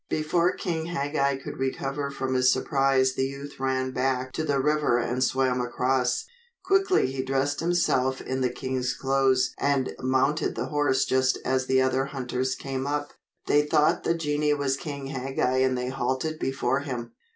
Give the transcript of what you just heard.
Before King Hagag could recover from his surprise the youth ran back to the river and swam across. Quickly he dressed himself in the king's clothes and mounted the horse just as the other hunters came up. They thought the genii was King Hagag and they halted before him.